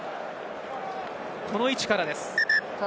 この位置からです。